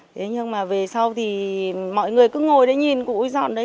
thế nhưng mà về sau thì mọi người cứ ngồi đấy nhìn cụ dọn đấy